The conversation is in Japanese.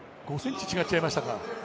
５ｃｍ違っちゃいましたか。